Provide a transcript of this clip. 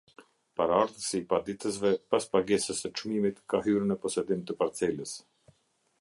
Paraardhësi i paditësve pas pagesës së çmimit ka hyrë të posedim të parcelës.